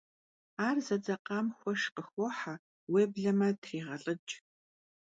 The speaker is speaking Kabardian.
Ар зэдзэкъам хуэш къыхохьэ, уеблэмэ трегъэлIыкI.